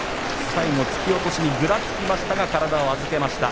最後、突き落としにぐらつきましたが体を預けました。